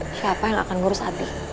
siapa yang akan ngurus hati